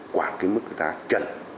quản cái mức giá trần